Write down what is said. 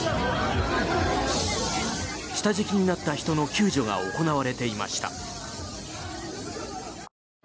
下敷きになった人の救助が行われていました。